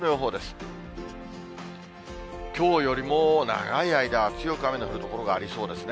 きょうよりも長い間、強く雨の降る所がありそうですね。